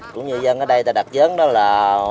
cũng như dân ở đây ta đặt dớn đó là